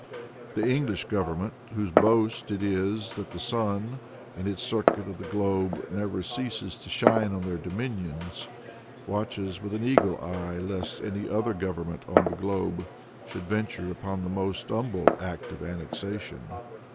The English government, whose boast it is that the sun, in its circuit of the globe, never ceases to shine on their domains, watches with an eagle eye lest any other government on the globe should venture upon the most humble act of annexation.